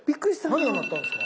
何が鳴ったんですか？